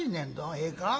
ええか。